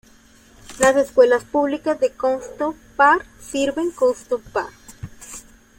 Las Escuelas Públicas de Comstock Park sirve Comstock Park.